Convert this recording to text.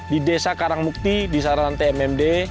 di desa karang mukti di saranan tmmd